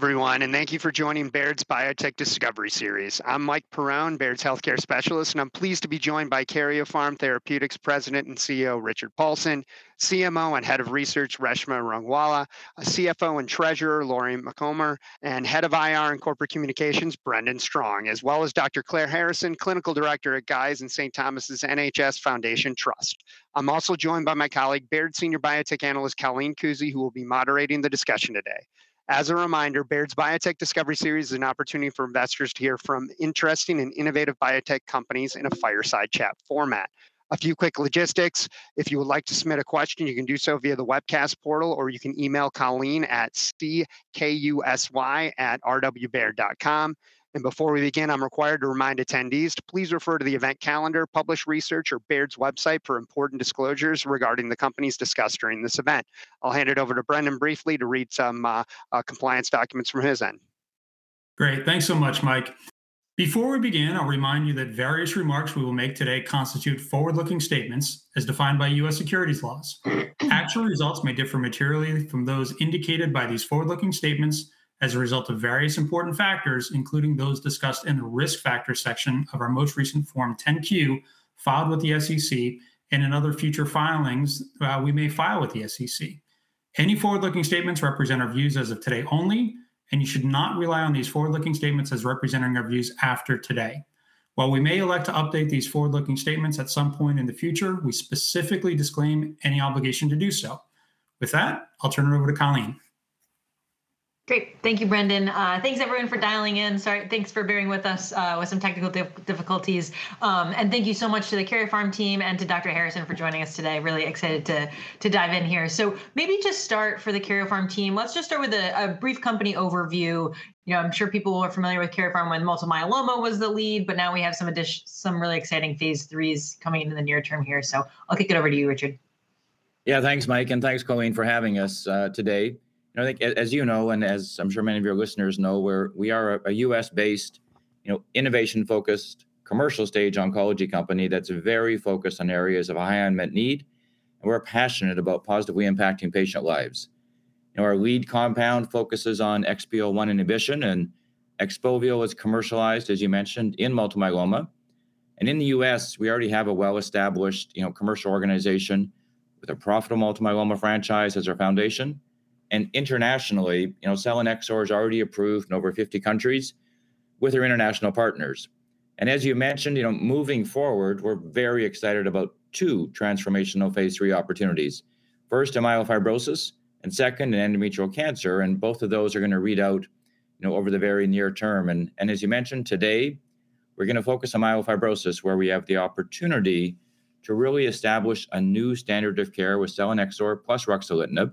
Everyone, and thank you for joining Baird's Biotech Discovery Series. I'm Mike Perrone, Baird's Healthcare Specialist, and I'm pleased to be joined by Karyopharm Therapeutics President and CEO Richard Paulson, CMO and Head of Research Reshma Rangwala, CFO and Treasurer Lori Macomber, and Head of IR and Corporate Communications Brendan Strong, as well as Dr. Claire Harrison, Clinical Director at Guy's and St Thomas' NHS Foundation Trust. I'm also joined by my colleague, Baird's Senior Biotech Analyst Colleen Kusy, who will be moderating the discussion today. As a reminder, Baird's Biotech Discovery Series is an opportunity for investors to hear from interesting and innovative biotech companies in a fireside chat format. A few quick logistics: if you would like to submit a question, you can do so via the webcast portal, or you can email Colleen at ckusy@rwbaird.com. And before we begin, I'm required to remind attendees to please refer to the event calendar, published research, or Baird's website for important disclosures regarding the companies discussed during this event. I'll hand it over to Brendan briefly to read some compliance documents from his end. Great, thanks so much, Mike. Before we begin, I'll remind you that various remarks we will make today constitute forward-looking statements as defined by U.S. securities laws. Actual results may differ materially from those indicated by these forward-looking statements as a result of various important factors, including those discussed in the risk factor section of our most recent Form 10-Q filed with the SEC and in other future filings we may file with the SEC. Any forward-looking statements represent our views as of today only, and you should not rely on these forward-looking statements as representing our views after today. While we may elect to update these forward-looking statements at some point in the future, we specifically disclaim any obligation to do so. With that, I'll turn it over to Colleen. Great, thank you, Brendan. Thanks, everyone, for dialing in. Thanks for bearing with us with some technical difficulties, and thank you so much to the Karyopharm team and to Dr. Harrison for joining us today. Really excited to dive in here, so maybe just start for the Karyopharm team. Let's just start with a brief company overview. I'm sure people are familiar with Karyopharm when multiple myeloma was the lead, but now we have some really exciting phase IIIs coming into the near term here, so I'll kick it over to you, Richard. Yeah, thanks, Mike, and thanks, Colleen, for having us today. As you know, and as I'm sure many of your listeners know, we are a U.S.-based, innovation-focused, commercial-stage oncology company that's very focused on areas of high unmet need. And we're passionate about positively impacting patient lives. Our lead compound focuses on XPO1 inhibition, and XPOVIO is commercialized, as you mentioned, in multiple myeloma. And in the U.S., we already have a well-established commercial organization with a profitable multiple myeloma franchise as our foundation. And internationally, selinexor is already approved in over 50 countries with our international partners. And as you mentioned, moving forward, we're very excited about two transformational phase III opportunities. First, in myelofibrosis, and second, in endometrial cancer. And both of those are going to read out over the very near term. And as you mentioned, today, we're going to focus on myelofibrosis, where we have the opportunity to really establish a new standard of care with selinexor plus ruxolitinib.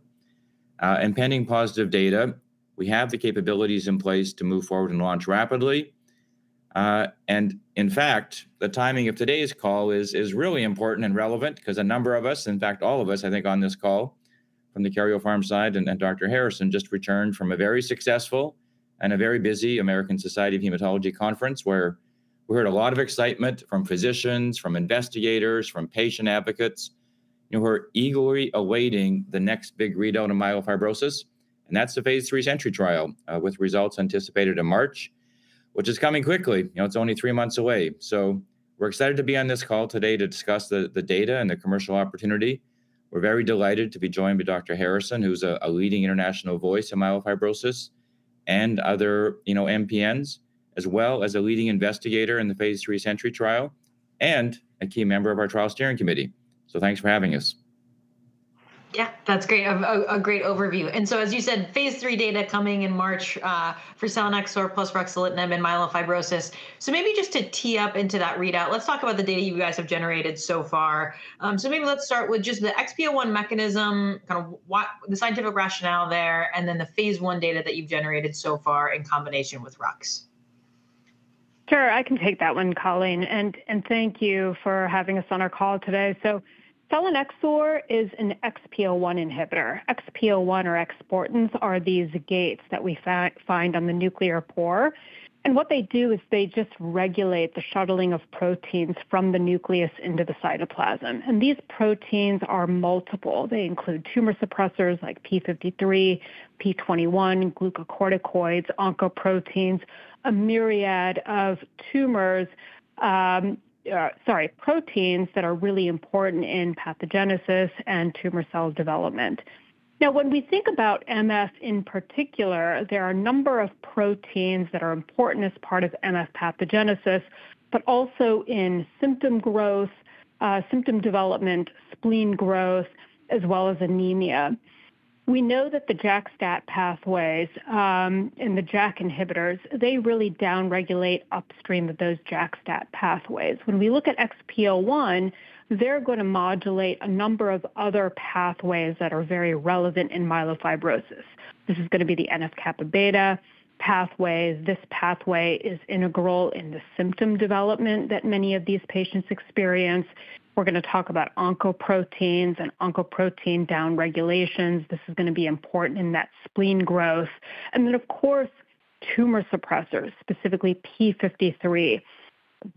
And pending positive data, we have the capabilities in place to move forward and launch rapidly. And in fact, the timing of today's call is really important and relevant because a number of us, in fact, all of us, I think, on this call from the Karyopharm side and Dr. Harrison just returned from a very successful and a very busy American Society of Hematology conference where we heard a lot of excitement from physicians, from investigators, from patient advocates who are eagerly awaiting the next big readout on myelofibrosis. And that's the phase III SENTRY trial with results anticipated in March, which is coming quickly. It's only three months away. So we're excited to be on this call today to discuss the data and the commercial opportunity. We're very delighted to be joined by Dr. Harrison, who's a leading international voice in myelofibrosis and other MPNs, as well as a leading investigator in the phase III SENTRY trial and a key member of our trial steering committee. So thanks for having us. Yeah, that's great. A great overview. And so as you said, phase III data coming in March for selinexor plus ruxolitinib in myelofibrosis. So maybe just to tee up into that readout, let's talk about the data you guys have generated so far. So maybe let's start with just the XPO1 mechanism, kind of the scientific rationale there, and then the phase I data that you've generated so far in combination with rux. Sure, I can take that one, Colleen. And thank you for having us on our call today. So selinexor is an XPO1 inhibitor. XPO1 or exportins are these gates that we find on the nuclear pore. And what they do is they just regulate the shuttling of proteins from the nucleus into the cytoplasm. And these proteins are multiple. They include tumor suppressors like p53, p21, glucocorticoids, oncoproteins, a myriad of tumors, sorry, proteins that are really important in pathogenesis and tumor cell development. Now, when we think about MF in particular, there are a number of proteins that are important as part of MF pathogenesis, but also in symptom growth, symptom development, spleen growth, as well as anemia. We know that the JAK-STAT pathways and the JAK inhibitors, they really downregulate upstream of those JAK-STAT pathways. When we look at XPO1, they're going to modulate a number of other pathways that are very relevant in myelofibrosis. This is going to be the NF-kappa B pathway. This pathway is integral in the symptom development that many of these patients experience. We're going to talk about oncoproteins and oncoprotein downregulations. This is going to be important in that spleen growth. And then, of course, tumor suppressors, specifically p53,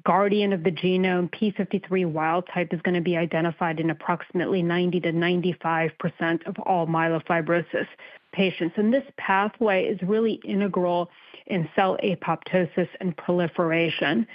guardian of the genome. p53 wild type is going to be identified in approximately 90%-95% of all myelofibrosis patients. And this pathway is really integral in cell apoptosis and proliferation.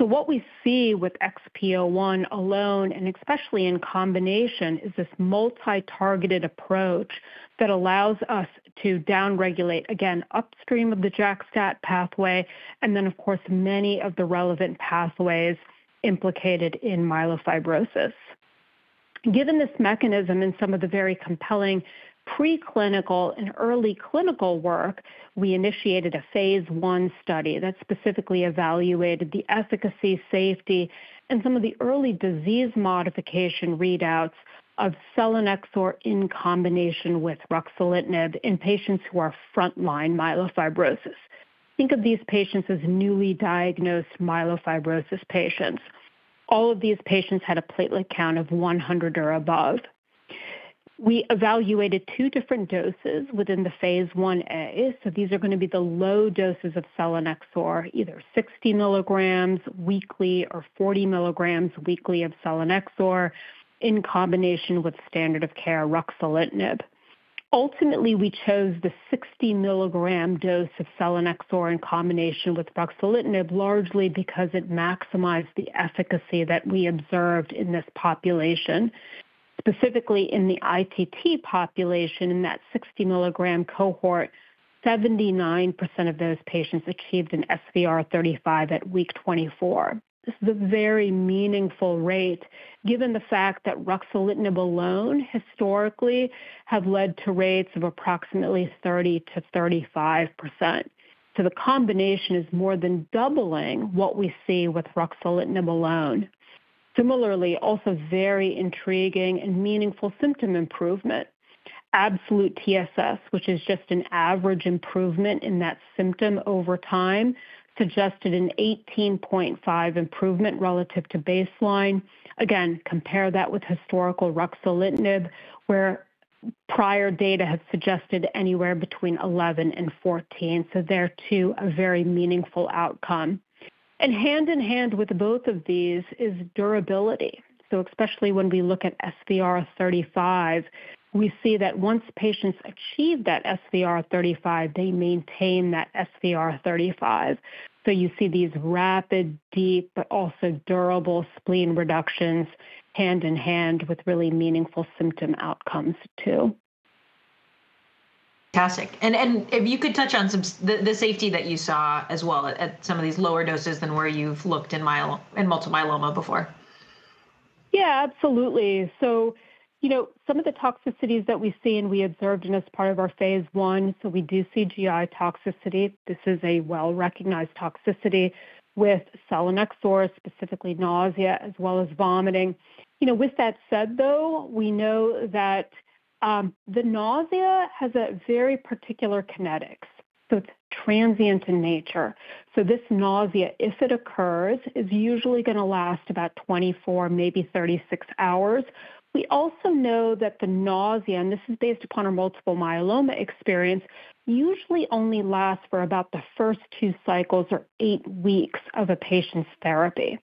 So what we see with XPO1 alone, and especially in combination, is this multi-targeted approach that allows us to downregulate, again, upstream of the JAK-STAT pathway, and then, of course, many of the relevant pathways implicated in myelofibrosis. Given this mechanism and some of the very compelling preclinical and early clinical work, we initiated a phase I study that specifically evaluated the efficacy, safety, and some of the early disease modification readouts of selinexor in combination with ruxolitinib in patients who are frontline myelofibrosis. Think of these patients as newly diagnosed myelofibrosis patients. All of these patients had a platelet count of 100 or above. We evaluated two different doses within the phase Ia. So these are going to be the low doses of selinexor, either 60 milligrams weekly or 40 milligrams weekly of selinexor in combination with standard of care ruxolitinib. Ultimately, we chose the 60 milligram dose of selinexor in combination with ruxolitinib, largely because it maximized the efficacy that we observed in this population. Specifically in the ITT population, in that 60 milligram cohort, 79% of those patients achieved an SVR35 at week 24. This is a very meaningful rate, given the fact that ruxolitinib alone historically has led to rates of approximately 30%-35%. So the combination is more than doubling what we see with ruxolitinib alone. Similarly, also very intriguing and meaningful symptom improvement. Absolute TSS, which is just an average improvement in that symptom over time, suggested an 18.5 improvement relative to baseline. Again, compare that with historical ruxolitinib, where prior data have suggested anywhere between 11% and 14%. So there, too, a very meaningful outcome. And hand in hand with both of these is durability. So especially when we look at SVR35, we see that once patients achieve that SVR35, they maintain that SVR35. So you see these rapid, deep, but also durable spleen reductions hand in hand with really meaningful symptom outcomes, too. Fantastic. And if you could touch on the safety that you saw as well at some of these lower doses than where you've looked in multiple myeloma before. Yeah, absolutely. So some of the toxicities that we see and we observed, as part of our phase I, so we do see GI toxicity. This is a well-recognized toxicity with selinexor, specifically nausea as well as vomiting. With that said, though, we know that the nausea has a very particular kinetics. So it's transient in nature. So this nausea, if it occurs, is usually going to last about 24, maybe 36 hours. We also know that the nausea, and this is based upon our multiple myeloma experience, usually only lasts for about the first two cycles or eight weeks of a patient's therapy.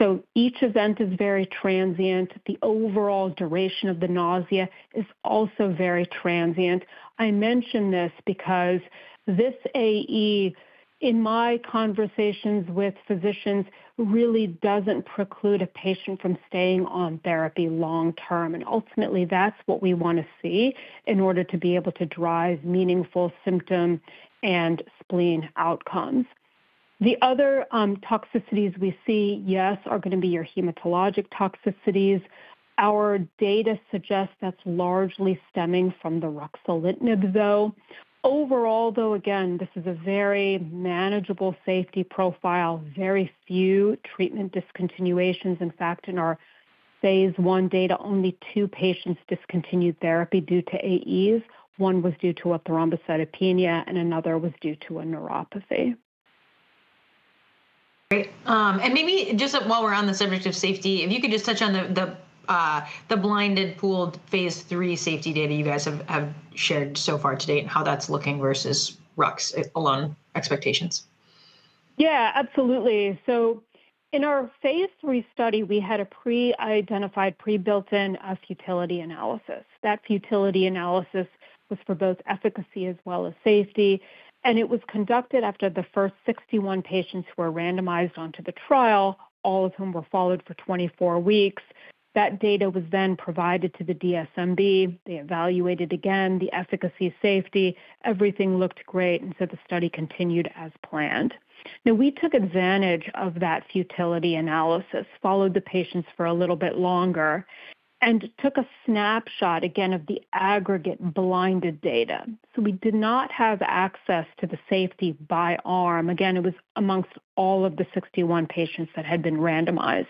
So each event is very transient. The overall duration of the nausea is also very transient. I mention this because this AE, in my conversations with physicians, really doesn't preclude a patient from staying on therapy long term. Ultimately, that's what we want to see in order to be able to drive meaningful symptom and spleen outcomes. The other toxicities we see, yes, are going to be your hematologic toxicities. Our data suggests that's largely stemming from the ruxolitinib, though. Overall, though, again, this is a very manageable safety profile, very few treatment discontinuations. In fact, in our phase I data, only two patients discontinued therapy due to AEs. One was due to a thrombocytopenia, and another was due to a neuropathy. Great. And maybe just while we're on the subject of safety, if you could just touch on the blinded pooled phase III safety data you guys have shared so far to date and how that's looking versus rux alone expectations? Yeah, absolutely. So in our phase III study, we had a pre-identified, pre-built-in futility analysis. That futility analysis was for both efficacy as well as safety. And it was conducted after the first 61 patients who were randomized onto the trial, all of whom were followed for 24 weeks. That data was then provided to the DSMB. They evaluated again the efficacy, safety. Everything looked great. And so the study continued as planned. Now, we took advantage of that futility analysis, followed the patients for a little bit longer, and took a snapshot, again, of the aggregate blinded data. So we did not have access to the safety by arm. Again, it was amongst all of the 61 patients that had been randomized.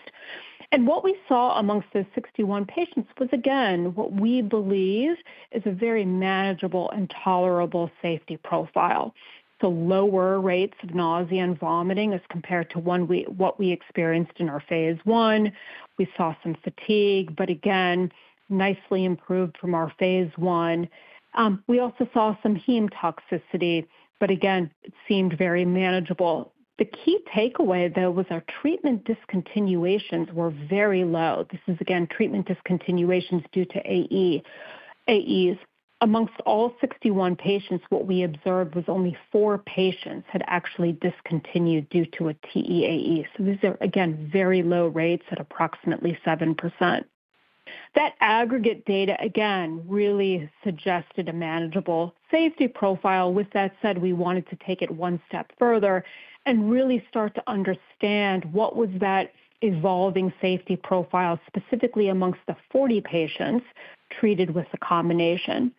And what we saw amongst those 61 patients was, again, what we believe is a very manageable and tolerable safety profile. So lower rates of nausea and vomiting as compared to what we experienced in our phase I. We saw some fatigue, but again, nicely improved from our phase I. We also saw some heme toxicity, but again, it seemed very manageable. The key takeaway, though, was our treatment discontinuations were very low. This is, again, treatment discontinuations due to AEs. Amongst all 61 patients, what we observed was only four patients had actually discontinued due to a TEAE. So these are, again, very low rates at approximately 7%. That aggregate data, again, really suggested a manageable safety profile. With that said, we wanted to take it one step further and really start to understand what was that evolving safety profile, specifically amongst the 40 patients treated with a combination.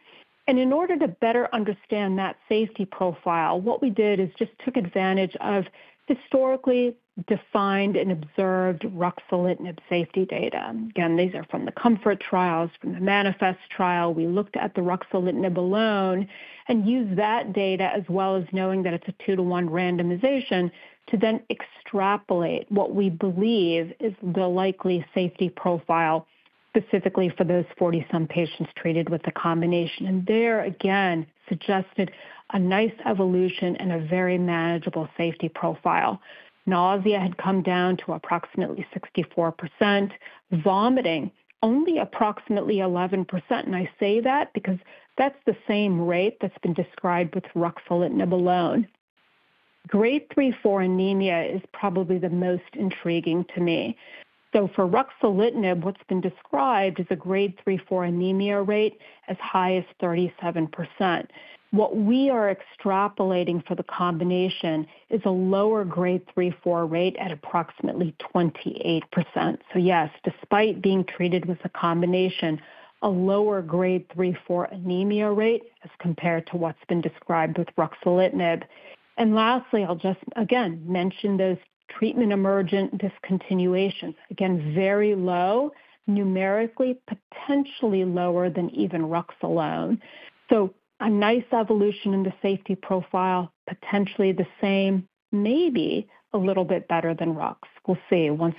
And in order to better understand that safety profile, what we did is just took advantage of historically defined and observed ruxolitinib safety data. Again, these are from the COMFORT trials, from the MANIFEST trial. We looked at the ruxolitinib alone and used that data as well as knowing that it's a two-to-one randomization to then extrapolate what we believe is the likely safety profile specifically for those 40-some patients treated with the combination. And there, again, suggested a nice evolution and a very manageable safety profile. Nausea had come down to approximately 64%. Vomiting, only approximately 11%. And I say that because that's the same rate that's been described with ruxolitinib alone. Grade 3-4 anemia is probably the most intriguing to me. So for ruxolitinib, what's been described is a grade 3-4 anemia rate as high as 37%. What we are extrapolating for the combination is a lower grade 3-4 rate at approximately 28%. So yes, despite being treated with a combination, a lower grade 3-4 anemia rate as compared to what's been described with ruxolitinib. And lastly, I'll just, again, mention those treatment emergent discontinuations. Again, very low numerically, potentially lower than even rux alone. So a nice evolution in the safety profile, potentially the same, maybe a little bit better than rux. We'll see once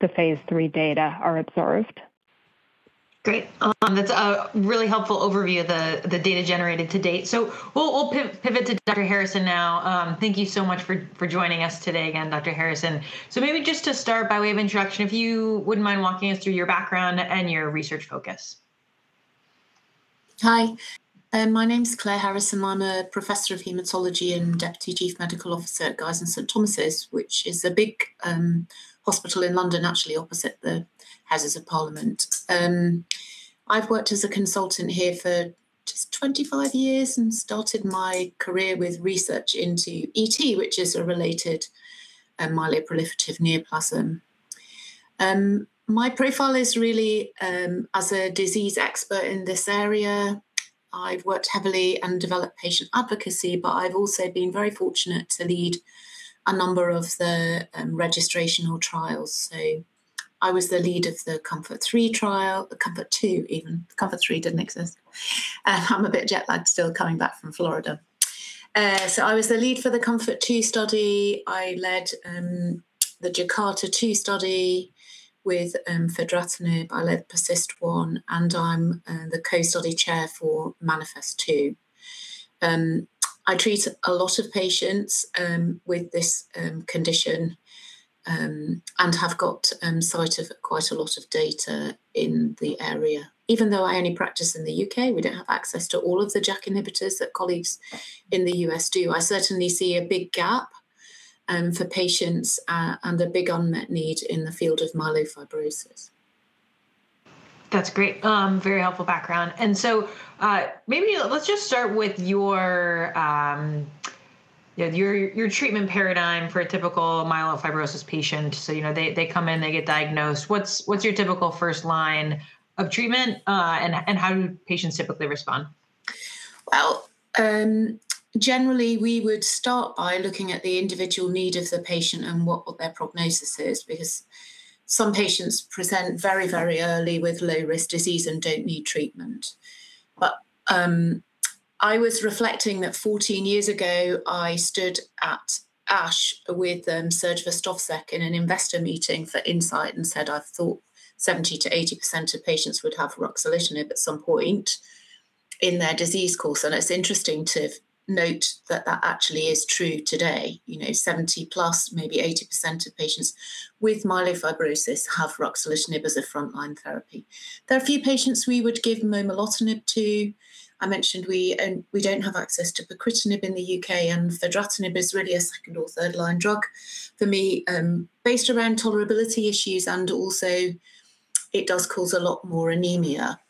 the phase III data are observed. Great. That's a really helpful overview of the data generated to date. So we'll pivot to Dr. Harrison now. Thank you so much for joining us today again, Dr. Harrison. So maybe just to start by way of introduction, if you wouldn't mind walking us through your background and your research focus. Hi. My name is Claire Harrison. I'm a professor of hematology and deputy chief medical officer at Guy's and St Thomas', which is a big hospital in London, actually opposite the Houses of Parliament. I've worked as a consultant here for just 25 years and started my career with research into ET, which is a related myeloproliferative neoplasm. My profile is really as a disease expert in this area. I've worked heavily and developed patient advocacy, but I've also been very fortunate to lead a number of the registrational trials. So I was the lead of the COMFORT-III trial, the COMFORT-II even. The COMFORT-III didn't exist. I'm a bit jet-lagged still coming back from Florida. So I was the lead for the COMFORT-II study. I led the JAKARTA-2 study with fedratinib. I led PERSIST-1, and I'm the co-study chair for MANIFEST-2. I treat a lot of patients with this condition and have got sight of quite a lot of data in the area. Even though I only practice in the U.K., we don't have access to all of the JAK inhibitors that colleagues in the U.S. do. I certainly see a big gap for patients and a big unmet need in the field of myelofibrosis. That's great. Very helpful background. And so maybe let's just start with your treatment paradigm for a typical myelofibrosis patient. So they come in, they get diagnosed. What's your typical first line of treatment, and how do patients typically respond? Generally, we would start by looking at the individual need of the patient and what their prognosis is because some patients present very, very early with low-risk disease and don't need treatment. I was reflecting that 14 years ago, I stood at ASH with Serge Verstovsek in an investor meeting for Incyte and said I thought 70%-80% of patients would have ruxolitinib at some point in their disease course. It's interesting to note that that actually is true today. 70%+, maybe 80% of patients with myelofibrosis have ruxolitinib as a frontline therapy. There are a few patients we would give momelotinib to. I mentioned we don't have access to pacritinib in the U.K., and fedratinib is really a second or third-line drug for me, based around tolerability issues, and also it does cause a lot more anemia.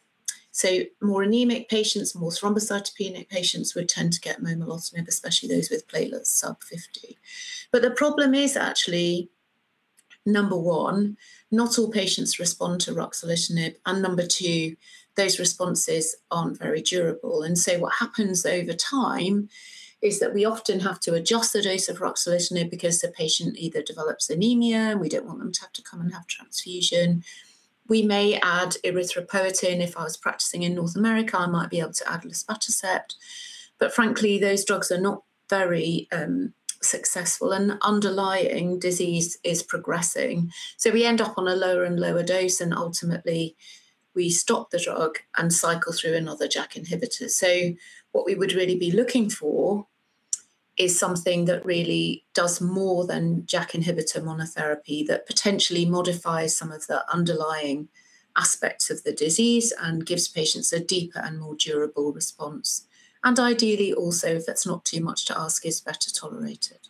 So more anemic patients, more thrombocytopenic patients would tend to get momelotinib, especially those with platelets sub-50. But the problem is actually, number one, not all patients respond to ruxolitinib, and number two, those responses aren't very durable. And so what happens over time is that we often have to adjust the dose of ruxolitinib because the patient either develops anemia, and we don't want them to have to come and have transfusion. We may add erythropoietin. If I was practicing in North America, I might be able to add luspatercept. But frankly, those drugs are not very successful, and underlying disease is progressing. So we end up on a lower and lower dose, and ultimately, we stop the drug and cycle through another JAK inhibitor. So what we would really be looking for is something that really does more than JAK inhibitor monotherapy that potentially modifies some of the underlying aspects of the disease and gives patients a deeper and more durable response. And ideally, also, if that's not too much to ask, is better tolerated.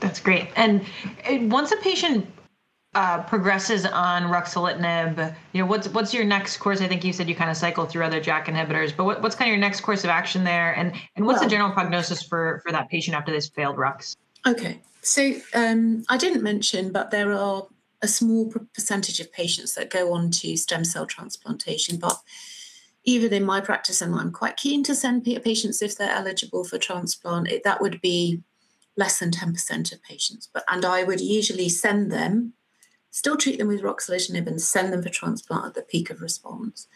That's great. And once a patient progresses on ruxolitinib, what's your next course? I think you said you kind of cycle through other JAK inhibitors, but what's kind of your next course of action there? And what's the general prognosis for that patient after this failed rux? Okay. So I didn't mention, but there are a small percentage of patients that go on to stem cell transplantation. But even in my practice, and I'm quite keen to send patients if they're eligible for transplant, that would be less than 10% of patients. And I would usually send them, still treat them with ruxolitinib, and send them for transplant at the peak of response.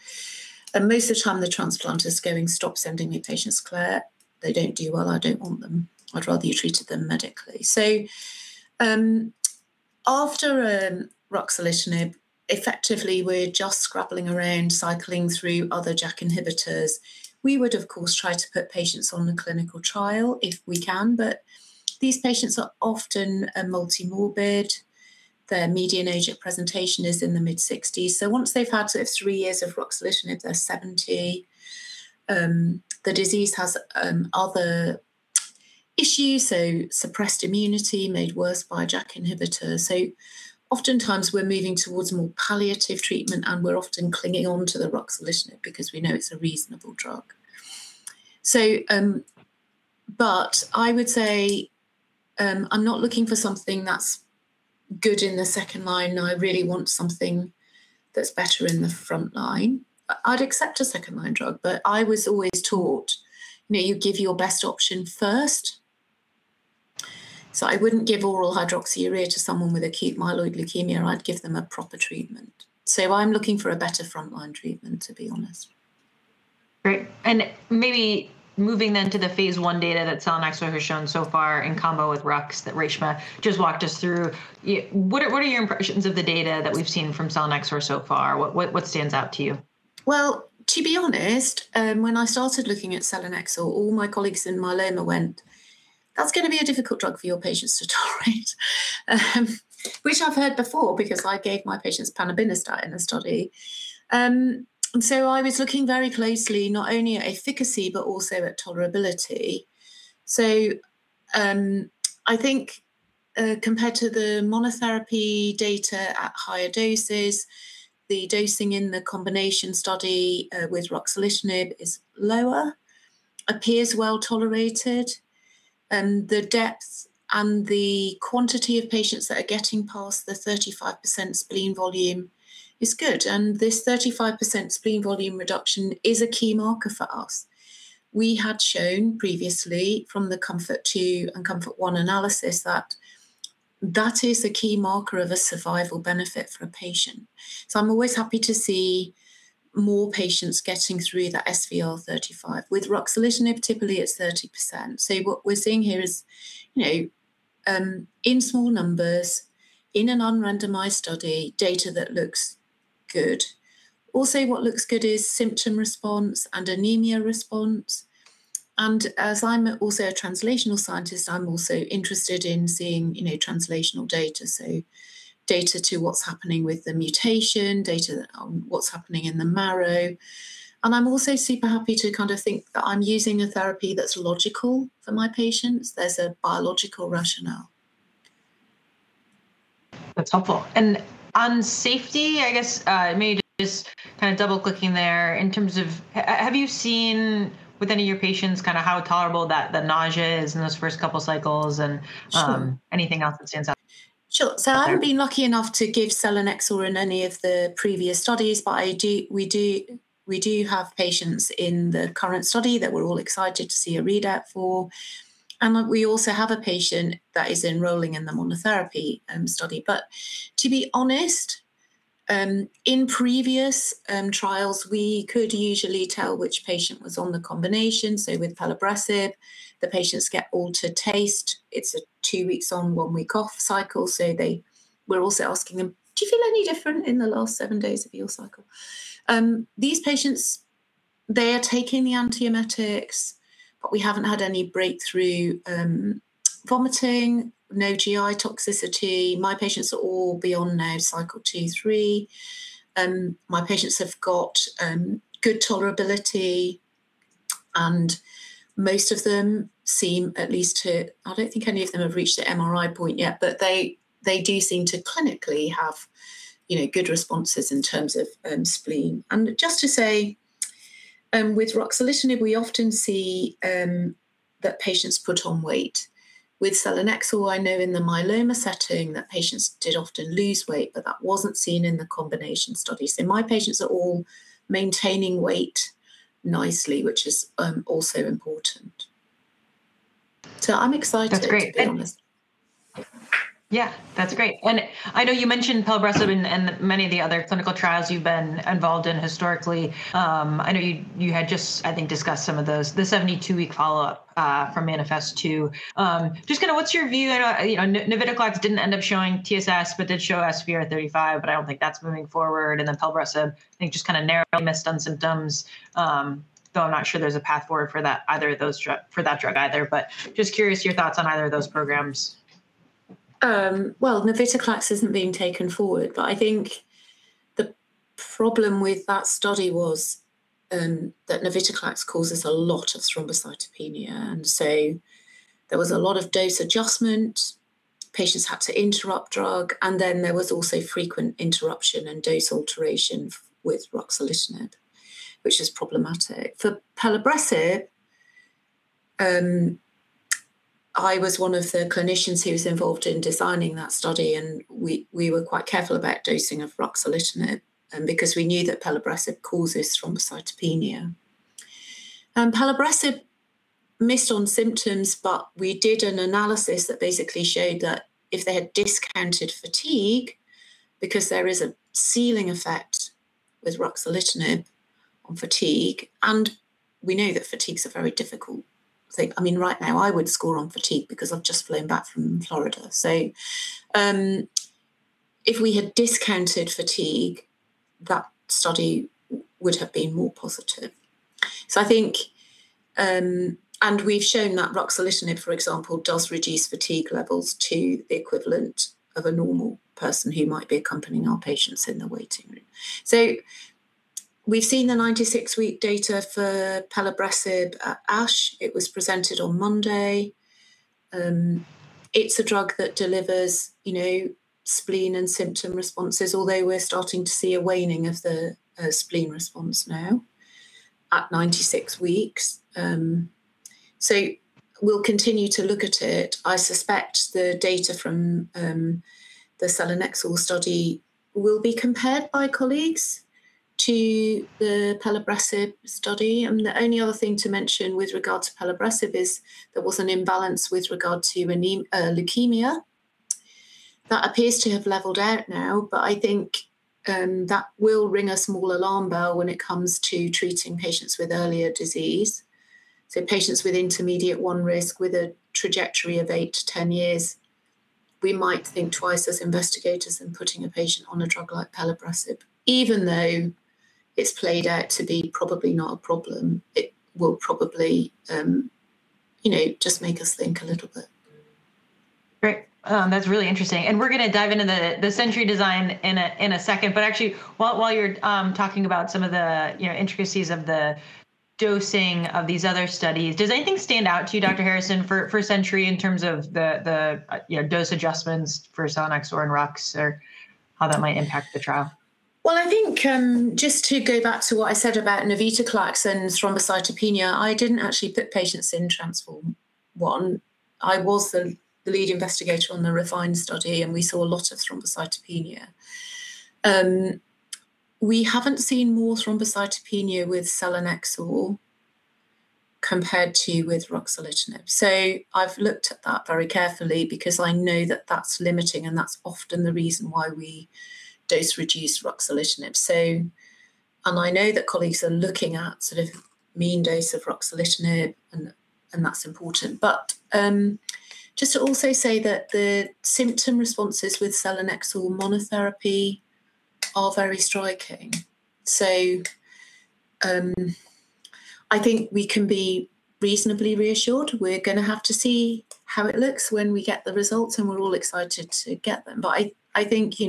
And most of the time, the transplant is going, "Stop sending me patients, Claire. They don't do well. I don't want them. I'd rather you treated them medically." So after ruxolitinib, effectively, we're just scrambling around, cycling through other JAK inhibitors. We would, of course, try to put patients on a clinical trial if we can, but these patients are often multimorbid. Their median age at presentation is in the mid-60s. So once they've had three years of ruxolitinib, they're 70. The disease has other issues, so suppressed immunity made worse by JAK inhibitors. So oftentimes, we're moving towards more palliative treatment, and we're often clinging on to the ruxolitinib because we know it's a reasonable drug. But I would say I'm not looking for something that's good in the second line. I really want something that's better in the front line. I'd accept a second-line drug, but I was always taught you give your best option first. So I wouldn't give oral hydroxyurea to someone with acute myeloid leukemia. I'd give them a proper treatment. So I'm looking for a better front-line treatment, to be honest. Great. And maybe moving then to the phase I data that selinexor has shown so far in combo with rux that Reshma just walked us through, what are your impressions of the data that we've seen from selinexor so far? What stands out to you? Well, to be honest, when I started looking at selinexor, all my colleagues in my lab went, "That's going to be a difficult drug for your patients to tolerate," which I've heard before because I gave my patients panobinostat in a study. So I was looking very closely not only at efficacy but also at tolerability. So I think compared to the monotherapy data at higher doses, the dosing in the combination study with ruxolitinib is lower, appears well tolerated. And the depth and the quantity of patients that are getting past the 35% spleen volume is good. And this 35% spleen volume reduction is a key marker for us. We had shown previously from the COMFORT-II and COMFORT-I analysis that that is a key marker of a survival benefit for a patient. So I'm always happy to see more patients getting through that SVR35 with ruxolitinib, typically at 30%. So what we're seeing here is in small numbers, in an unrandomized study, data that looks good. Also, what looks good is symptom response and anemia response. And as I'm also a translational scientist, I'm also interested in seeing translational data, so data to what's happening with the mutation, data on what's happening in the marrow. And I'm also super happy to kind of think that I'm using a therapy that's logical for my patients. There's a biological rationale. That's helpful. And on safety, I guess maybe just kind of double-clicking there in terms of, have you seen with any of your patients kind of how tolerable the nausea is in those first couple of cycles and anything else that stands out? Sure. So I haven't been lucky enough to give selinexor in any of the previous studies, but we do have patients in the current study that we're all excited to see a readout for. And we also have a patient that is enrolling in the monotherapy study. But to be honest, in previous trials, we could usually tell which patient was on the combination. So with pelabresib, the patients get altered taste. It's a two weeks on, one week off cycle. So we're also asking them, "Do you feel any different in the last seven days of your cycle?" These patients, they are taking the antiemetics, but we haven't had any breakthrough vomiting, no GI toxicity. My patients are all beyond now cycle two, three. My patients have got good tolerability, and most of them seem at least to, I don't think any of them have reached the MRI point yet, but they do seem to clinically have good responses in terms of spleen. And just to say, with ruxolitinib, we often see that patients put on weight. With selinexor, I know in the myeloma setting that patients did often lose weight, but that wasn't seen in the combination study. So my patients are all maintaining weight nicely, which is also important. So I'm excited to be honest. That's great. Yeah, that's great. And I know you mentioned pelabresib and many of the other clinical trials you've been involved in historically. I know you had just, I think, discussed some of those, the 72-week follow-up from MANIFEST-2. Just kind of what's your view? Navitoclax didn't end up showing TSS, but did show SVR35, but I don't think that's moving forward. And then pelabresib, I think just kind of narrowly missed on symptoms, though I'm not sure there's a path forward for that drug either. But just curious your thoughts on either of those programs. Navitoclax isn't being taken forward, but I think the problem with that study was that Navitoclax causes a lot of thrombocytopenia, and so there was a lot of dose adjustment. Patients had to interrupt drug, and then there was also frequent interruption and dose alteration with ruxolitinib, which is problematic. For pelabresib, I was one of the clinicians who was involved in designing that study, and we were quite careful about dosing of ruxolitinib because we knew that pelabresib causes thrombocytopenia, and pelabresib missed on symptoms, but we did an analysis that basically showed that if they had discounted fatigue, because there is a ceiling effect with ruxolitinib on fatigue, and we know that fatigues are very difficult. I mean, right now, I would score on fatigue because I've just flown back from Florida, so if we had discounted fatigue, that study would have been more positive. So I think, and we've shown that ruxolitinib, for example, does reduce fatigue levels to the equivalent of a normal person who might be accompanying our patients in the waiting room. So we've seen the 96-week data for pelabresib at ASH. It was presented on Monday. It's a drug that delivers spleen and symptom responses, although we're starting to see a waning of the spleen response now at 96 weeks. So we'll continue to look at it. I suspect the data from the selinexor study will be compared by colleagues to the pelabresib study. And the only other thing to mention with regard to pelabresib is there was an imbalance with regard to leukemia. That appears to have leveled out now, but I think that will ring a small alarm bell when it comes to treating patients with earlier disease. Patients with intermediate one risk with a trajectory of eight to 10 years, we might think twice as investigators in putting a patient on a drug like pelabresib, even though it's played out to be probably not a problem. It will probably just make us think a little bit. Great. That's really interesting, and we're going to dive into the SENTRY design in a second, but actually, while you're talking about some of the intricacies of the dosing of these other studies, does anything stand out to you, Dr. Harrison, for SENTRY in terms of the dose adjustments for selinexor and rux or how that might impact the trial? I think just to go back to what I said about Navitoclax and thrombocytopenia, I didn't actually put patients in TRANSFORM-1. I was the lead investigator on the REFINE study, and we saw a lot of thrombocytopenia. We haven't seen more thrombocytopenia with selinexor compared to with ruxolitinib. So I've looked at that very carefully because I know that that's limiting, and that's often the reason why we dose-reduce ruxolitinib. And I know that colleagues are looking at sort of mean dose of ruxolitinib, and that's important. But just to also say that the symptom responses with selinexor monotherapy are very striking. So I think we can be reasonably reassured. We're going to have to see how it looks when we get the results, and we're all excited to get them. But I think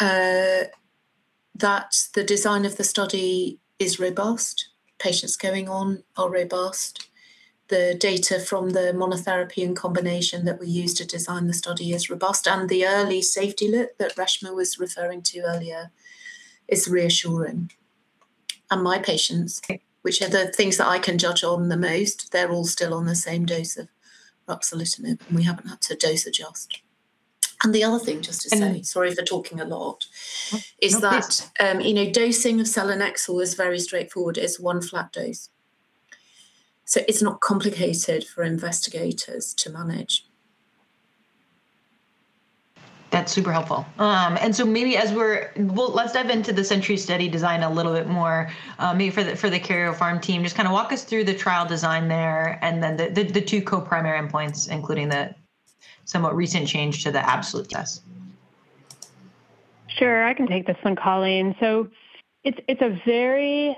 that the design of the study is robust. Patients going on are robust. The data from the monotherapy and combination that we used to design the study is robust. And the early safety look that Reshma was referring to earlier is reassuring. And my patients, which are the things that I can judge on the most, they're all still on the same dose of ruxolitinib, and we haven't had to dose adjust. And the other thing, just to say, sorry for talking a lot, is that dosing of selinexor is very straightforward. It's one flat dose. So it's not complicated for investigators to manage. That's super helpful. And so maybe let's dive into the SENTRY study design a little bit more, maybe for the Karyopharm team. Just kind of walk us through the trial design there and then the two co-primary endpoints, including the somewhat recent change to the absolute TSS. Sure. I can take this one, Colleen. So it's a very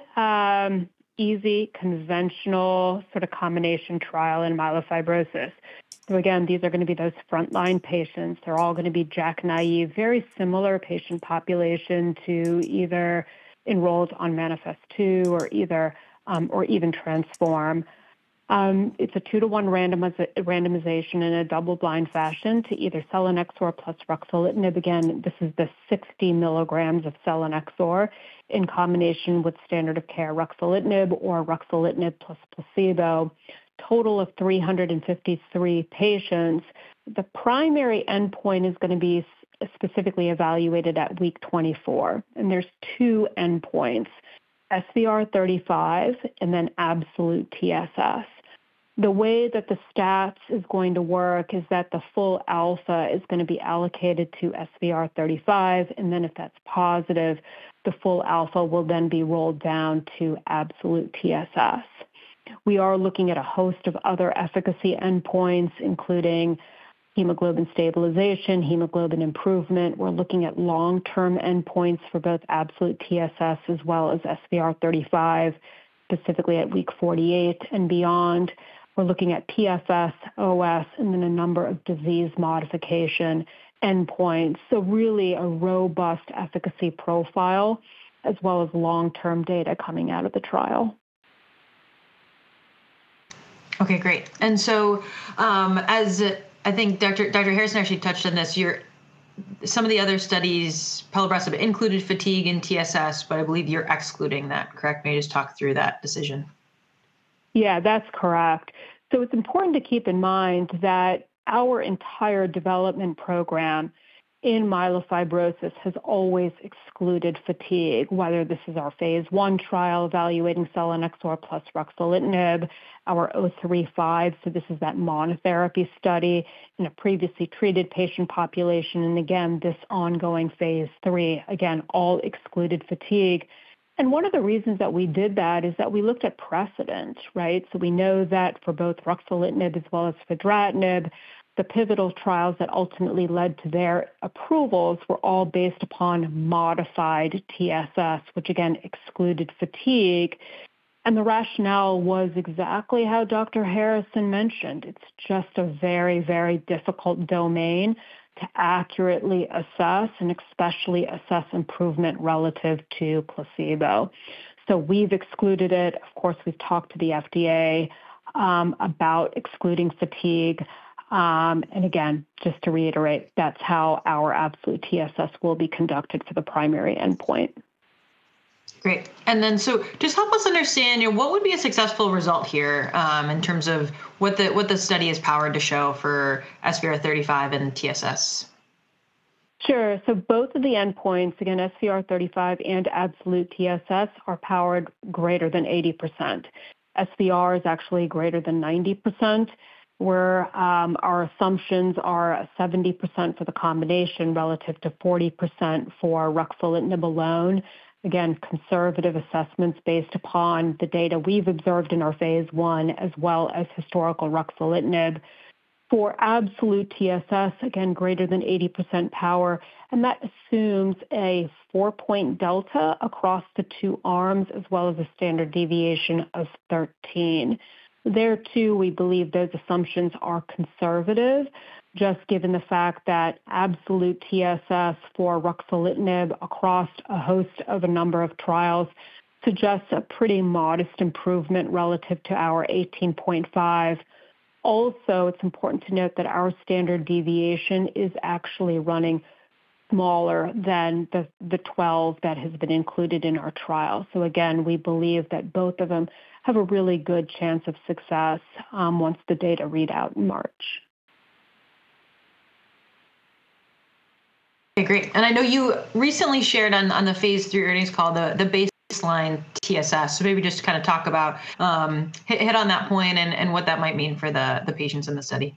easy, conventional sort of combination trial in myelofibrosis. So again, these are going to be those front-line patients. They're all going to be JAK naive, very similar patient population to either enrolled on MANIFEST-2 or even TRANSFORM-1. It's a two-to-one randomization in a double-blind fashion to either selinexor plus ruxolitinib. Again, this is the 60 milligrams of selinexor in combination with standard of care ruxolitinib or ruxolitinib plus placebo, total of 353 patients. The primary endpoint is going to be specifically evaluated at week 24. And there's two endpoints: SVR35 and then absolute TSS. The way that the stats is going to work is that the full alpha is going to be allocated to SVR35. And then if that's positive, the full alpha will then be rolled down to absolute TSS. We are looking at a host of other efficacy endpoints, including hemoglobin stabilization, hemoglobin improvement. We're looking at long-term endpoints for both absolute TSS as well as SVR35, specifically at week 48 and beyond. We're looking at PFS, OS, and then a number of disease modification endpoints. So really a robust efficacy profile as well as long-term data coming out of the trial. Okay, great. And so I think Dr. Harrison actually touched on this. Some of the other studies, pelabresib included fatigue and TSS, but I believe you're excluding that, correct? Maybe just talk through that decision. Yeah, that's correct. So it's important to keep in mind that our entire development program in myelofibrosis has always excluded fatigue, whether this is our phase I trial evaluating selinexor plus ruxolitinib, our 005, so this is that monotherapy study in a previously treated patient population. And again, this ongoing phase III, again, all excluded fatigue. And one of the reasons that we did that is that we looked at precedent, right? So we know that for both ruxolitinib as well as fedratinib, the pivotal trials that ultimately led to their approvals were all based upon modified TSS, which again excluded fatigue. And the rationale was exactly how Dr. Harrison mentioned. It's just a very, very difficult domain to accurately assess and especially assess improvement relative to placebo. So we've excluded it. Of course, we've talked to the FDA about excluding fatigue. And again, just to reiterate, that's how our Absolute TSS will be conducted for the primary endpoint. Great. And then so just help us understand what would be a successful result here in terms of what the study is powered to show for SVR35 and TSS? Sure. So both of the endpoints, again, SVR35 and Absolute TSS are powered greater than 80%. SVR is actually greater than 90%, where our assumptions are 70% for the combination relative to 40% for ruxolitinib alone. Again, conservative assessments based upon the data we've observed in our phase I as well as historical ruxolitinib. For Absolute TSS, again, greater than 80% power. And that assumes a four-point delta across the two arms as well as a standard deviation of 13. There too, we believe those assumptions are conservative, just given the fact that Absolute TSS for ruxolitinib across a host of a number of trials suggests a pretty modest improvement relative to our 18.5. Also, it's important to note that our standard deviation is actually running smaller than the 12 that has been included in our trial. So again, we believe that both of them have a really good chance of success once the data read out in March. Okay, great. And I know you recently shared on the phase III earnings call the baseline TSS. So maybe just to kind of talk about, hit on that point and what that might mean for the patients in the study.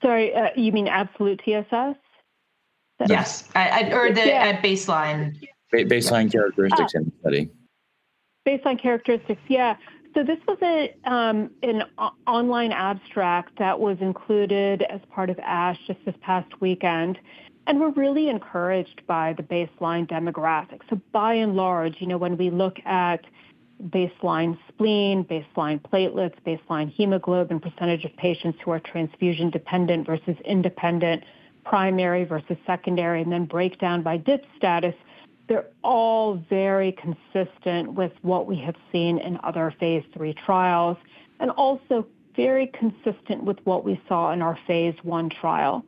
Sorry, you mean absolute TSS? Yes, or at baseline. Baseline characteristics in the study. Baseline characteristics, yeah. So this was an online abstract that was included as part of ASH just this past weekend. And we're really encouraged by the baseline demographics. So by and large, when we look at baseline spleen, baseline platelets, baseline hemoglobin, percentage of patients who are transfusion dependent versus independent, primary versus secondary, and then breakdown by DIP status, they're all very consistent with what we have seen in other phase III trials and also very consistent with what we saw in our phase I trial.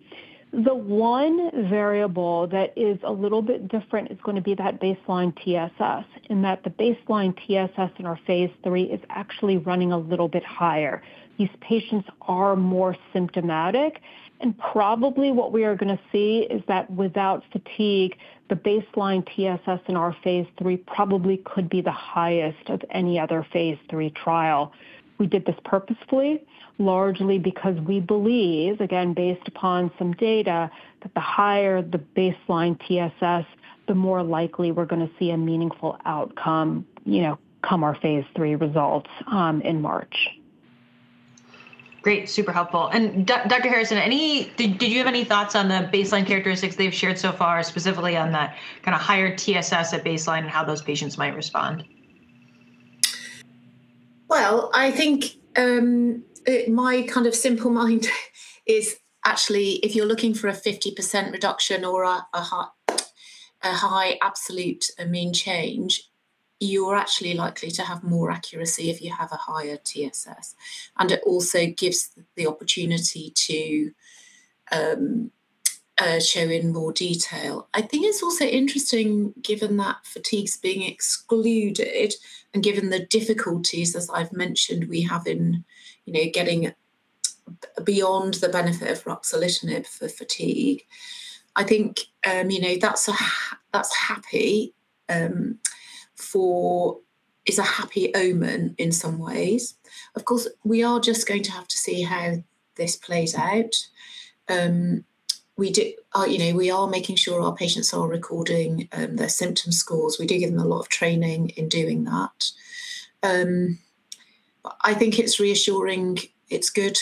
The one variable that is a little bit different is going to be that baseline TSS in that the baseline TSS in our phase III is actually running a little bit higher. These patients are more symptomatic. Probably what we are going to see is that without fatigue, the baseline TSS in our phase III probably could be the highest of any other phase III trial. We did this purposefully, largely because we believe, again, based upon some data, that the higher the baseline TSS, the more likely we're going to see a meaningful outcome from our phase III results in March. Great. Super helpful, and Dr. Harrison, did you have any thoughts on the baseline characteristics they've shared so far, specifically on that kind of higher TSS at baseline and how those patients might respond? Well, I think my kind of simple mind is actually if you're looking for a 50% reduction or a high absolute mean change, you're actually likely to have more accuracy if you have a higher TSS, and it also gives the opportunity to show in more detail. I think it's also interesting given that fatigue's being excluded and given the difficulties, as I've mentioned, we have in getting beyond the benefit of ruxolitinib for fatigue. I think that's a happy omen in some ways. Of course, we are just going to have to see how this plays out. We are making sure our patients are recording their symptom scores. We do give them a lot of training in doing that. I think it's reassuring. It's good.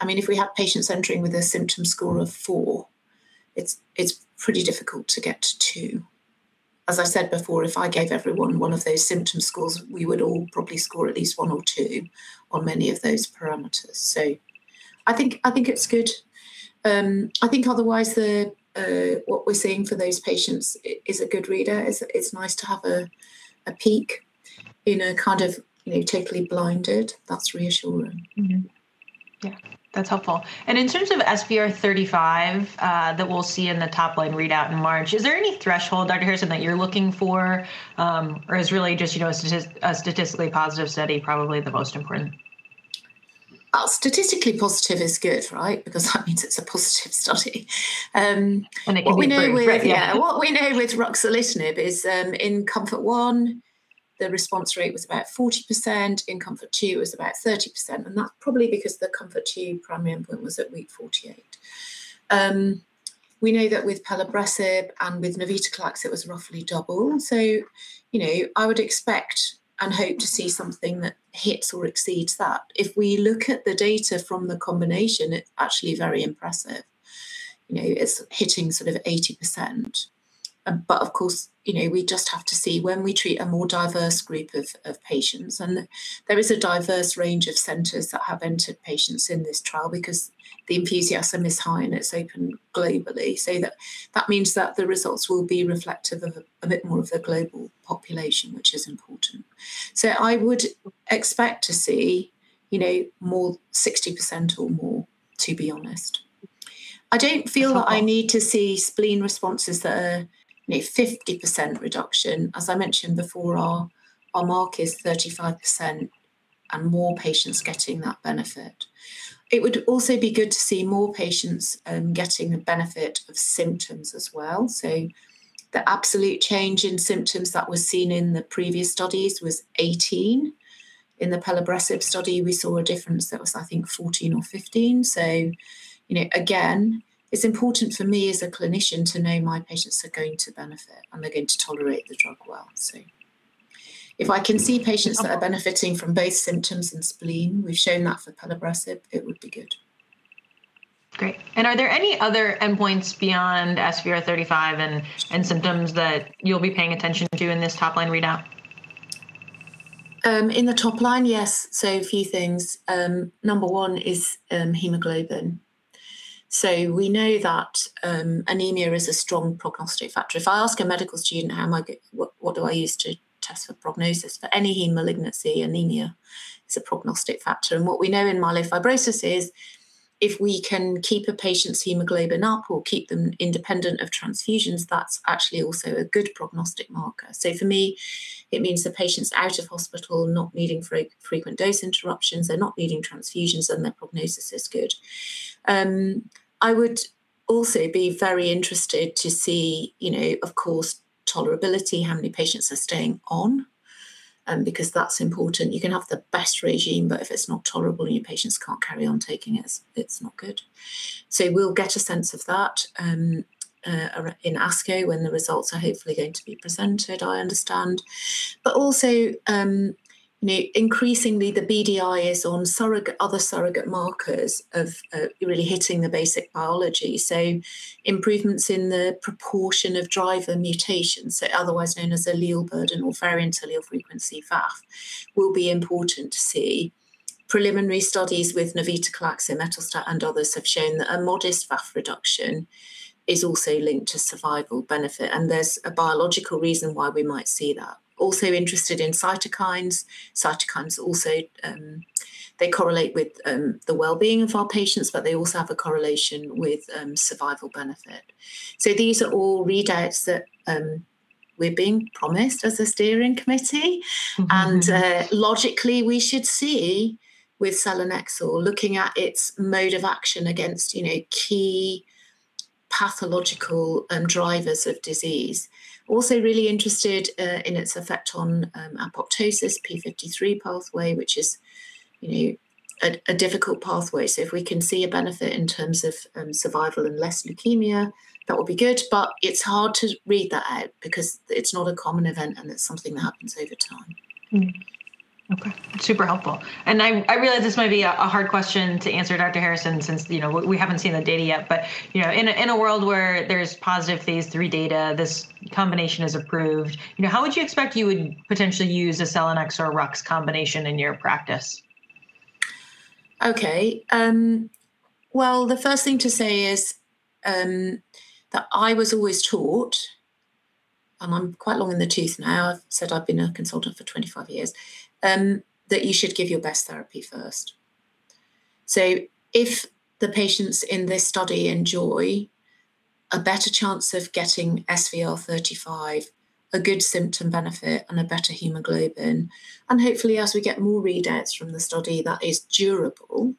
I mean, if we have patients entering with a symptom score of four, it's pretty difficult to get to two. As I said before, if I gave everyone one of those symptom scores, we would all probably score at least one or two on many of those parameters. So I think it's good. I think otherwise what we're seeing for those patients is a good readout. It's nice to have a peek into a kind of totally blinded. That's reassuring. Yeah. That's helpful, and in terms of SVR35 that we'll see in the top-line readout in March, is there any threshold, Dr. Harrison, that you're looking for, or is really just a statistically positive study probably the most important? Statistically positive is good, right? Because that means it's a positive study. It can be very good. What we know with ruxolitinib is, in COMFORT-I, the response rate was about 40%. In COMFORT-II was about 30%, and that's probably because the COMFORT-II primary endpoint was at week 48. We know that with pelabresib and with navitoclax, it was roughly double. So I would expect and hope to see something that hits or exceeds that. If we look at the data from the combination, it's actually very impressive. It's hitting sort of 80%, but of course, we just have to see when we treat a more diverse group of patients, and there is a diverse range of centers that have entered patients in this trial because the enthusiasm is high and it's open globally, so that means that the results will be reflective of a bit more of the global population, which is important. So I would expect to see more 60% or more, to be honest. I don't feel that I need to see spleen responses that are 50% reduction. As I mentioned before, our mark is 35% and more patients getting that benefit. It would also be good to see more patients getting the benefit of symptoms as well. So the absolute change in symptoms that was seen in the previous studies was 18. In the pelabresib study, we saw a difference that was, I think, 14 or 15. So again, it's important for me as a clinician to know my patients are going to benefit and they're going to tolerate the drug well. So if I can see patients that are benefiting from both symptoms and spleen, we've shown that for pelabresib, it would be good. Great. And are there any other endpoints beyond SVR 35 and symptoms that you'll be paying attention to in this top line readout? In the top line, yes, so a few things. Number one is hemoglobin, so we know that anemia is a strong prognostic factor. If I ask a medical student, "What do I use to test for prognosis?" for any heme malignancy, anemia is a prognostic factor, and what we know in myelofibrosis is if we can keep a patient's hemoglobin up or keep them independent of transfusions, that's actually also a good prognostic marker, so for me, it means the patient's out of hospital, not needing frequent dose interruptions, they're not needing transfusions, and their prognosis is good. I would also be very interested to see, of course, tolerability, how many patients are staying on, because that's important. You can have the best regimen, but if it's not tolerable and your patients can't carry on taking it, it's not good. So we'll get a sense of that in ASCO when the results are hopefully going to be presented, I understand. But also, increasingly, the BDI is on other surrogate markers of really hitting the basic biology. So improvements in the proportion of driver mutations, otherwise known as allele burden or variant allele frequency VAF, will be important to see. Preliminary studies with navitoclax, imetelstat, and others have shown that a modest VAF reduction is also linked to survival benefit. And there's a biological reason why we might see that. Also interested in cytokines. Cytokines also, they correlate with the well-being of our patients, but they also have a correlation with survival benefit. So these are all readouts that we're being promised as a steering committee. And logically, we should see with selinexor, looking at its mode of action against key pathological drivers of disease. Also really interested in its effect on apoptosis, P53 pathway, which is a difficult pathway. So if we can see a benefit in terms of survival and less leukemia, that would be good. But it's hard to read that out because it's not a common event and it's something that happens over time. Okay. Super helpful. And I realize this might be a hard question to answer, Dr. Harrison, since we haven't seen the data yet. But in a world where there's positive phase III data, this combination is approved, how would you expect you would potentially use a selinexor + rux combination in your practice? Okay. Well, the first thing to say is that I was always taught, and I'm quite long in the tooth now. I've said I've been a consultant for 25 years, that you should give your best therapy first. So if the patients in this study enjoy a better chance of getting SVR35, a good symptom benefit, and a better hemoglobin, and hopefully as we get more readouts from the study that is durable,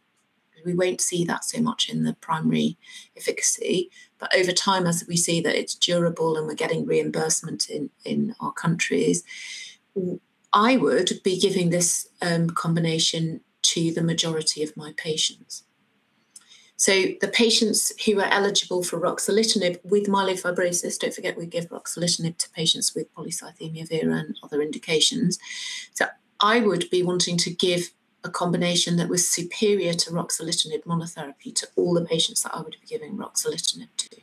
we won't see that so much in the primary efficacy. But over time, as we see that it's durable and we're getting reimbursement in our countries, I would be giving this combination to the majority of my patients. So the patients who are eligible for ruxolitinib with myelofibrosis, don't forget we give ruxolitinib to patients with polycythemia vera and other indications. So I would be wanting to give a combination that was superior to ruxolitinib monotherapy to all the patients that I would be giving ruxolitinib to.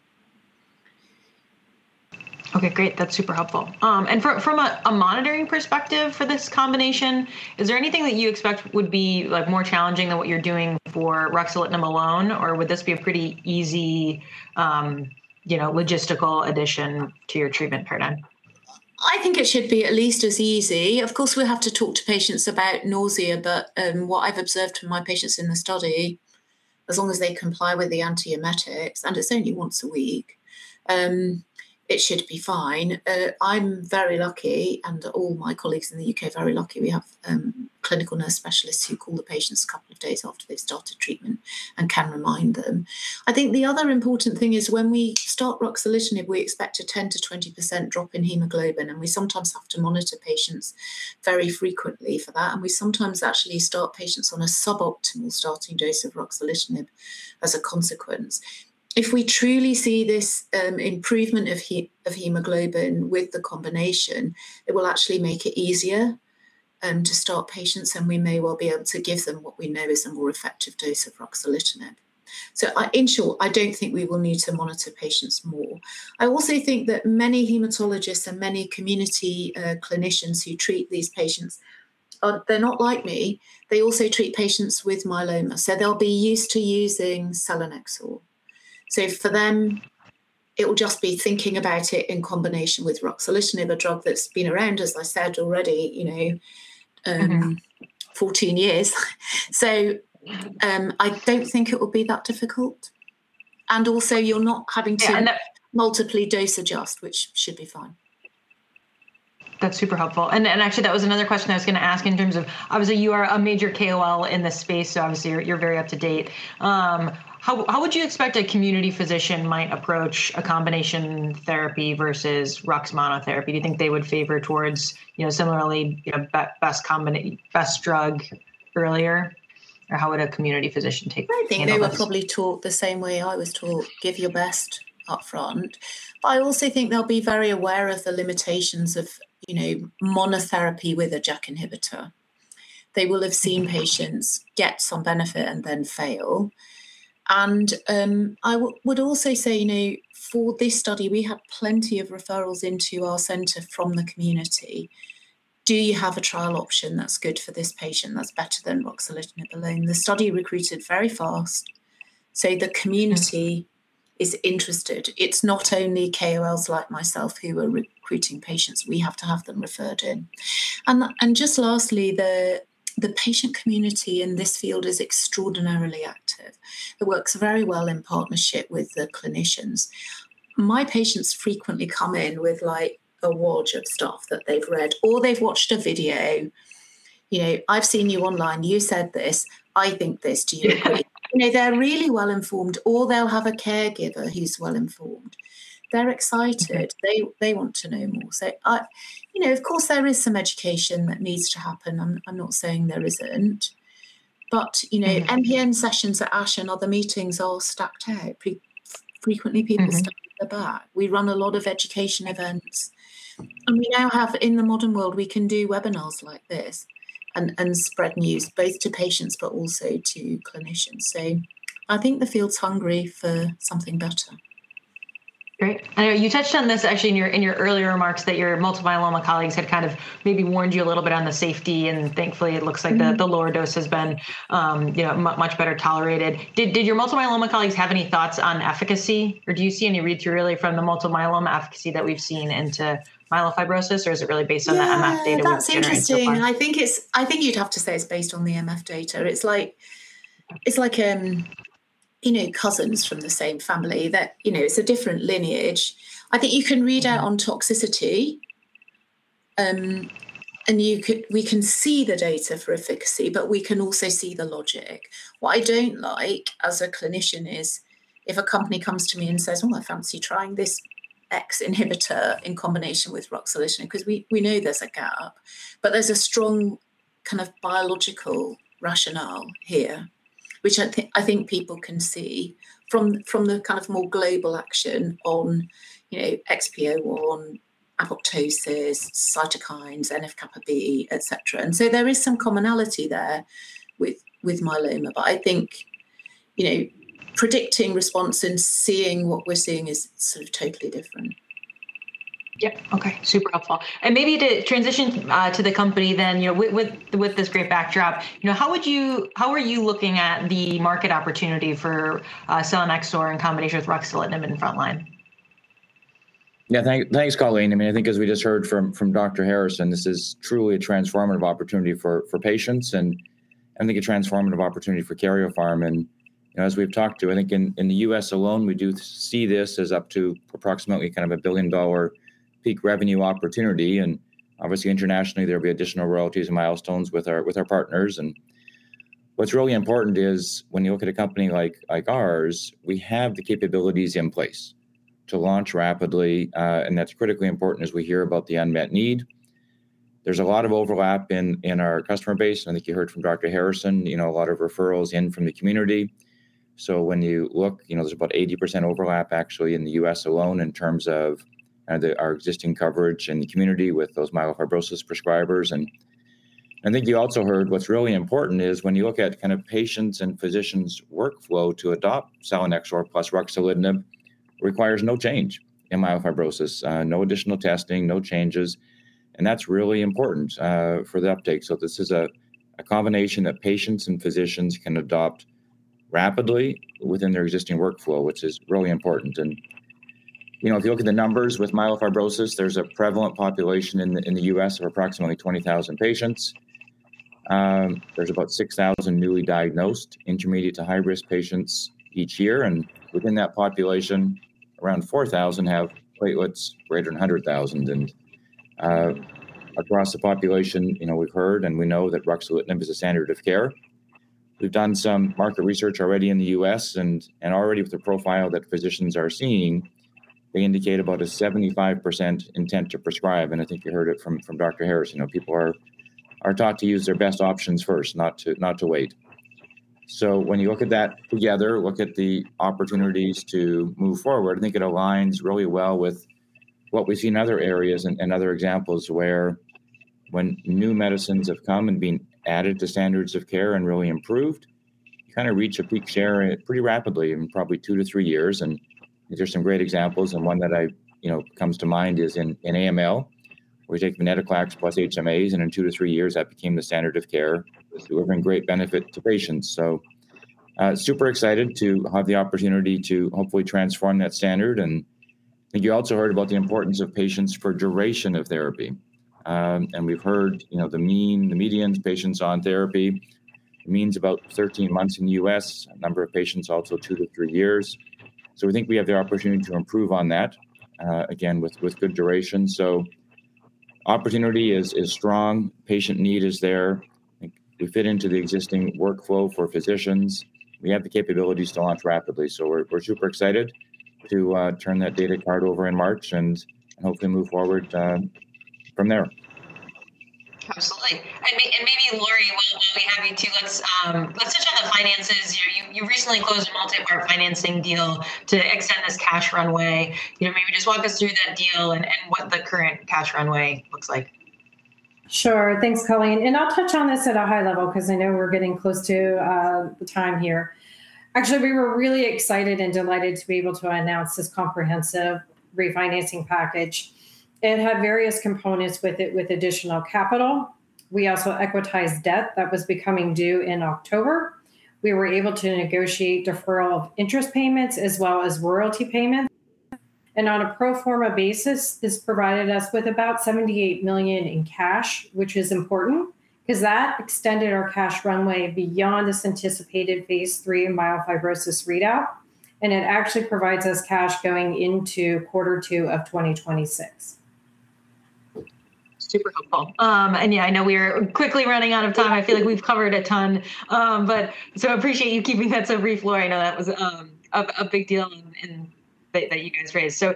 Okay, great. That's super helpful. And from a monitoring perspective for this combination, is there anything that you expect would be more challenging than what you're doing for ruxolitinib alone, or would this be a pretty easy logistical addition to your treatment paradigm? I think it should be at least as easy. Of course, we have to talk to patients about nausea, but what I've observed from my patients in the study, as long as they comply with the antiemetics, and it's only once a week, it should be fine. I'm very lucky, and all my colleagues in the U.K. are very lucky. We have clinical nurse specialists who call the patients a couple of days after they've started treatment and can remind them. I think the other important thing is when we start ruxolitinib, we expect a 10%-20% drop in hemoglobin, and we sometimes have to monitor patients very frequently for that, and we sometimes actually start patients on a suboptimal starting dose of ruxolitinib as a consequence. If we truly see this improvement of hemoglobin with the combination, it will actually make it easier to start patients, and we may well be able to give them what we know is a more effective dose of ruxolitinib, so in short, I don't think we will need to monitor patients more. I also think that many hematologists and many community clinicians who treat these patients, they're not like me, they also treat patients with myeloma, so they'll be used to using selinexor, so for them, it will just be thinking about it in combination with ruxolitinib, a drug that's been around, as I said already, 14 years, so I don't think it will be that difficult, and also, you're not having to multiply dose adjust, which should be fine. That's super helpful. And actually, that was another question I was going to ask in terms of, obviously, you are a major KOL in this space, so obviously, you're very up to date. How would you expect a community physician might approach a combination therapy versus rux monotherapy? Do you think they would favor towards similarly best drug earlier? Or how would a community physician take that? I think they were probably taught the same way I was taught, give your best upfront. I also think they'll be very aware of the limitations of monotherapy with a JAK inhibitor. They will have seen patients get some benefit and then fail, and I would also say, for this study, we have plenty of referrals into our center from the community. Do you have a trial option that's good for this patient that's better than ruxolitinib alone? The study recruited very fast, so the community is interested. It's not only KOLs like myself who are recruiting patients. We have to have them referred in, and just lastly, the patient community in this field is extraordinarily active. It works very well in partnership with the clinicians. My patients frequently come in with a world of stuff that they've read or they've watched a video. I've seen you online. You said this. I think this. Do you agree? They're really well-informed or they'll have a caregiver who's well-informed. They're excited. They want to know more. So of course, there is some education that needs to happen. I'm not saying there isn't. But MPN sessions at ASH and other meetings are stacked out. Frequently, people stack their back. We run a lot of education events. And we now have, in the modern world, we can do webinars like this and spread news both to patients but also to clinicians. So I think the field's hungry for something better. Great. And you touched on this actually in your earlier remarks that your multiple myeloma colleagues had kind of maybe warned you a little bit on the safety, and thankfully, it looks like the lower dose has been much better tolerated. Did your multiple myeloma colleagues have any thoughts on efficacy? Or do you see any read-through really from the multiple myeloma efficacy that we've seen into myelofibrosis, or is it really based on the MF data we've seen? That's interesting. I think you'd have to say it's based on the MF data. It's like cousins from the same family that it's a different lineage. I think you can read out on toxicity, and we can see the data for efficacy, but we can also see the logic. What I don't like as a clinician is if a company comes to me and says, "Oh, I fancy trying this X inhibitor in combination with ruxolitinib," because we know there's a gap, but there's a strong kind of biological rationale here, which I think people can see from the kind of more global action on XPO1, apoptosis, cytokines, NF-kappa B, etc. And so there is some commonality there with myeloma, but I think predicting response and seeing what we're seeing is sort of totally different. Yep. Okay. Super helpful, and maybe to transition to the company then, with this great backdrop, how are you looking at the market opportunity for selinexor or in combination with ruxolitinib in front line? Yeah. Thanks, Colleen. I mean, I think as we just heard from Dr. Harrison, this is truly a transformative opportunity for patients and I think a transformative opportunity for Karyopharm. And as we've talked to, I think in the U.S. alone, we do see this as up to approximately kind of a $1 billion peak revenue opportunity. And obviously, internationally, there will be additional royalties and milestones with our partners. And what's really important is when you look at a company like ours, we have the capabilities in place to launch rapidly, and that's critically important as we hear about the unmet need. There's a lot of overlap in our customer base. I think you heard from Dr. Harrison, a lot of referrals in from the community. So when you look, there's about 80% overlap actually in the U.S. alone in terms of our existing coverage in the community with those myelofibrosis prescribers. And I think you also heard what's really important is when you look at kind of patients' and physicians' workflow to adopt selinexor plus ruxolitinib, it requires no change in myelofibrosis, no additional testing, no changes. And that's really important for the uptake. So this is a combination that patients and physicians can adopt rapidly within their existing workflow, which is really important. And if you look at the numbers with myelofibrosis, there's a prevalent population in the U.S. of approximately 20,000 patients. There's about 6,000 newly diagnosed intermediate to high-risk patients each year. And within that population, around 4,000 have platelets greater than 100,000. And across the population, we've heard and we know that ruxolitinib is a standard of care. We've done some market research already in the U.S., and already with the profile that physicians are seeing, they indicate about a 75% intent to prescribe, and I think you heard it from Dr. Harrison. People are taught to use their best options first, not to wait, so when you look at that together, look at the opportunities to move forward, I think it aligns really well with what we see in other areas and other examples where when new medicines have come and been added to standards of care and really improved, you kind of reach a peak share pretty rapidly in probably two to three years, and there's some great examples, and one that comes to mind is in AML, where we take venetoclax plus HMAs, and in two to three years, that became the standard of care, delivering great benefit to patients. So super excited to have the opportunity to hopefully transform that standard, and I think you also heard about the importance of patients for duration of therapy, and we've heard the median patients on therapy means about 13 months in the U.S., a number of patients also two to three years, so we think we have the opportunity to improve on that, again, with good duration, so opportunity is strong. Patient need is there. We fit into the existing workflow for physicians. We have the capabilities to launch rapidly, so we're super excited to turn that data card over in March and hopefully move forward from there. Absolutely. And maybe, Lori, while we have you too, let's touch on the finances. You recently closed a multi-part financing deal to extend this cash runway. Maybe just walk us through that deal and what the current cash runway looks like. Sure. Thanks, Colleen, and I'll touch on this at a high level because I know we're getting close to the time here. Actually, we were really excited and delighted to be able to announce this comprehensive refinancing package. It had various components with it with additional capital. We also equitized debt that was becoming due in October. We were able to negotiate deferral of interest payments as well as royalty payments, and on a pro forma basis, this provided us with about $78 million in cash, which is important because that extended our cash runway beyond this anticipated phase III myelofibrosis readout, and it actually provides us cash going into quarter two of 2026. Super helpful. And yeah, I know we are quickly running out of time. I feel like we've covered a ton. So I appreciate you keeping that so brief, Lori. I know that was a big deal that you guys raised. So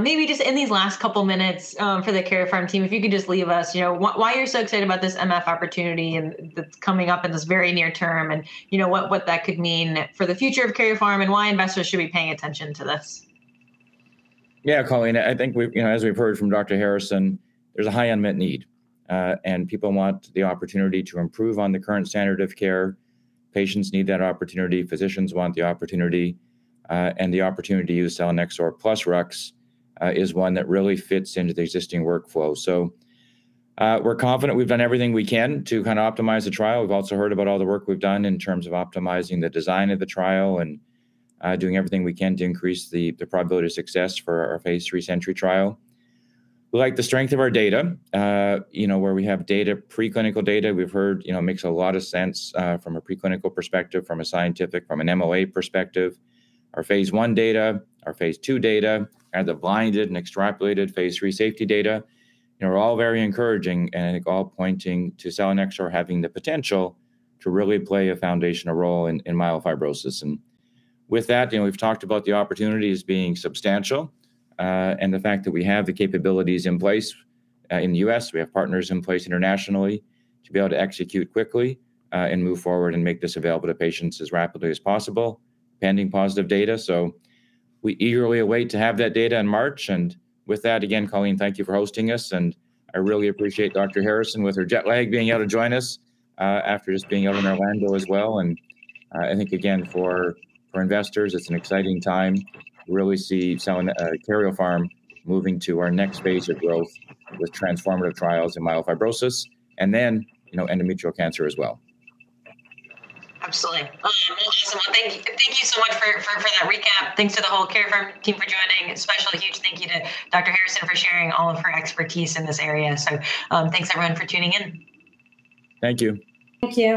maybe just in these last couple of minutes for the Karyopharm team, if you could just leave us why you're so excited about this MF opportunity that's coming up in this very near term and what that could mean for the future of Karyopharm and why investors should be paying attention to this. Yeah, Colleen, I think as we've heard from Dr. Harrison, there's a high unmet need, and people want the opportunity to improve on the current standard of care. Patients need that opportunity. Physicians want the opportunity, and the opportunity to use selinexor plus rux is one that really fits into the existing workflow, so we're confident we've done everything we can to kind of optimize the trial. We've also heard about all the work we've done in terms of optimizing the design of the trial and doing everything we can to increase the probability of success for our phase III SENTRY trial. We like the strength of our data, where we have preclinical data. We've heard makes a lot of sense from a preclinical perspective, from a scientific, from an MOA perspective. Our phase I data, our phase II data, and the blinded and extrapolated phase III safety data are all very encouraging. And I think all pointing to selinexor having the potential to really play a foundational role in myelofibrosis. And with that, we've talked about the opportunities being substantial and the fact that we have the capabilities in place in the U.S. We have partners in place internationally to be able to execute quickly and move forward and make this available to patients as rapidly as possible pending positive data. So we eagerly await to have that data in March. And with that, again, Colleen, thank you for hosting us. And I really appreciate Dr. Harrison with her jet lag being able to join us after just being out in Orlando as well. I think, again, for investors, it's an exciting time to really see Karyopharm moving to our next phase of growth with transformative trials in myelofibrosis and then endometrial cancer as well. Absolutely. Well, awesome. Well, thank you so much for that recap. Thanks to the whole Karyopharm team for joining. Especially a huge thank you to Dr. Harrison for sharing all of her expertise in this area. So thanks, everyone, for tuning in. Thank you. Thank you.